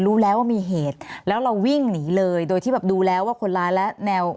รู้แล้วว่ามีเหตุแล้วเราวิ่งหนีเลยโดยที่แบบดูแล้วว่าคนร้ายและแนว